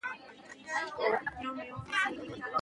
فاریاب د افغانستان د اقتصادي ودې لپاره ارزښت لري.